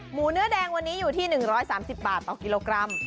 เนื้อแดงวันนี้อยู่ที่๑๓๐บาทต่อกิโลกรัม